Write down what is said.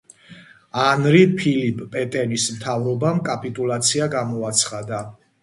ანრი ფილიპ პეტენის მთავრობამ კაპიტულაცია გამოაცხადა.